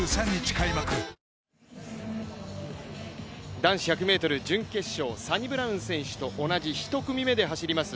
男子１００ｍ準決勝、サニブラウン選手と同じ１組目で走ります